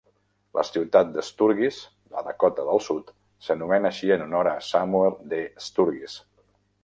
La ciutat de Sturgis, a Dakota del Sud, s'anomena així en honor a Samuel D. Sturgis.